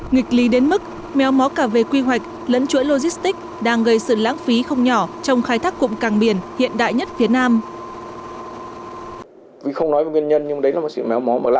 nghịch lý đến mức méo mó cả về quy hoạch lẫn chuỗi logistic đang gây sự lãng phí không nhỏ trong khai thác cụm cảng biển hiện đại nhất phía nam